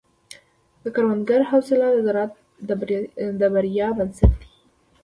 د کروندګر حوصله د زراعت د بریا بنسټ دی.